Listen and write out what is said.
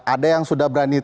ada yang sudah berani